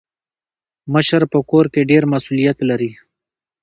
مشر په کور کي ډير مسولیت لري.